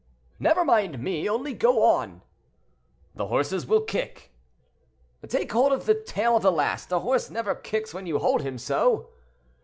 "Never mind me, only go on." "The horses will kick." "Take hold of the tail of the last; a horse never kicks when you hold him so."